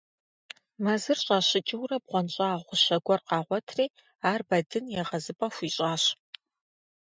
Мэзыр щӀащыкӀыурэ, бгъуэнщӀагъ гъущэ гуэр къагъуэтри ар Бэдын егъэзыпӀэ хуищӀащ.